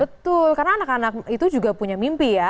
betul karena anak anak itu juga punya mimpi ya